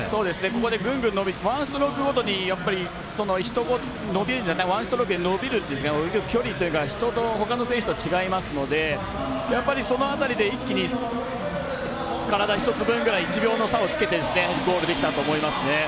ここでグングン伸びてワンストロークごとに伸びるっていう泳ぎをほかの選手と違いますのでやっぱり、その辺りで一気に体１つ分ぐらい１秒ぐらいの差をつけてゴールできたと思います。